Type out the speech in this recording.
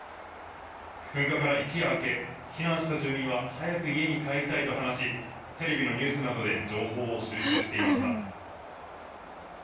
噴火から一夜明け、避難した住民は早く家に帰りたいと話し、テレビのニュースなどで情報を収集していました。